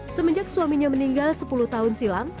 semenjak suaminya meninggal sepuluh tahun silam